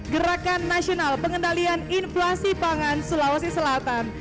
gerakan nasional pengendalian inflasi pangan sulawesi selatan